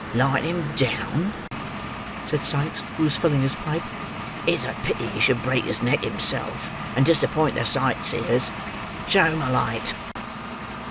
"Light him down," said Sikes, who was filling his pipe. "It's a pity he should break his neck himself, and disappoint the sight seers. Show him a light."